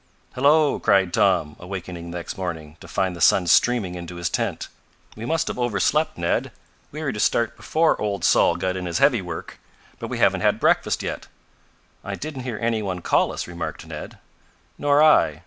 "Hello!" cried Tom, awakening the next morning to find the sun streaming into his tent. "We must have overslept, Ned. We were to start before old Sol got in his heavy work, but we haven't had breakfast yet." "I didn't hear any one call us," remarked Ned. "Nor I.